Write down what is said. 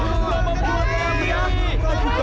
itu tandanya gunung akan meletus